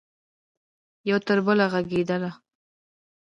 یو تربله ږغیدله